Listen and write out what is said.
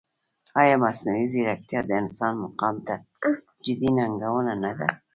ایا مصنوعي ځیرکتیا د انسان مقام ته جدي ننګونه نه ده؟